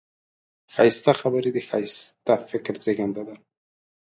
ښایسته خبرې د ښایسته فکر زېږنده ده